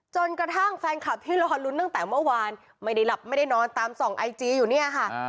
จนกระทั่งแฟนคลับที่รอลุ้นตั้งแต่เมื่อวานไม่ได้หลับไม่ได้นอนตามส่องไอจีอยู่เนี่ยค่ะ